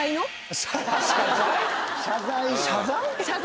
謝罪⁉謝罪？